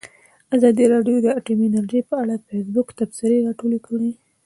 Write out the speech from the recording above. ازادي راډیو د اټومي انرژي په اړه د فیسبوک تبصرې راټولې کړي.